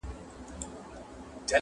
هم بېحده رشوت خوره هم ظالم وو٫